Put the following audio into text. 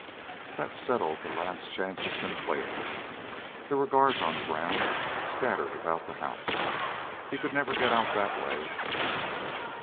That settled the last chance of Sinclair. There were guards on the ground, scattered about the house. He could never get out that way.